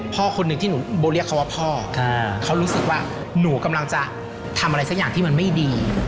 พ่อคนหนึ่งที่หนูเรียกเขาว่าพ่อเขารู้สึกว่าหนูกำลังจะทำอะไรสักอย่างที่มันไม่ดี